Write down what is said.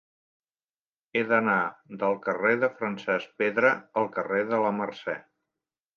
He d'anar del carrer de Francesc Pedra al carrer de la Mercè.